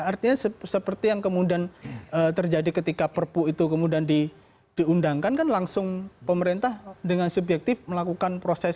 artinya seperti yang kemudian terjadi ketika perpu itu kemudian diundangkan kan langsung pemerintah dengan subjektif melakukan proses